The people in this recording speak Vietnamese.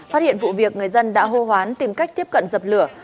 phát hiện vụ việc người dân đã hô hoán tìm cách tiếp cận dập lửa